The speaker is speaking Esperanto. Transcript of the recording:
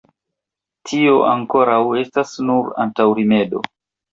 Tio, ankoraŭ, estas nur antaŭrimedo.